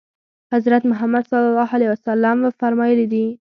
حضرت محمد صلی الله علیه وسلم فرمایلي دي.